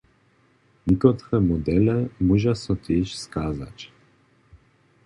Někotre modele móža so tež skazać.